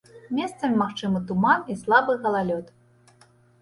Месцамі магчымы туман і слабы галалёд.